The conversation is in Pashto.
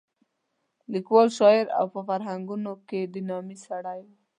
لیکوال، شاعر او په فرهنګیانو کې د نامې سړی دی.